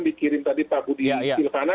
dikirim tadi pak budi silvana